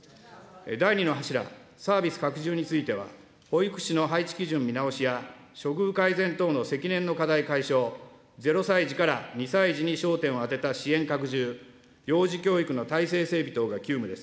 第２の柱、サービス拡充については、保育士の配置基準の見直しや、処遇改善等の積年の課題解消、０歳児から２歳児に焦点を当てた支援拡充、幼児教育の体制整備等が急務です。